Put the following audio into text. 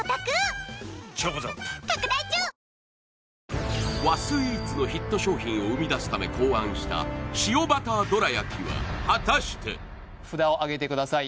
あぁ和スイーツのヒット商品を生み出すため考案した塩バターどらやきは果たして札をあげてください